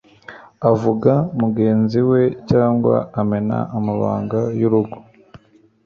avuga mugenzi we cyangwa amena amabanga y'urugo